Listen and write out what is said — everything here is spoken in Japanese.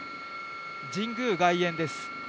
神宮外苑です。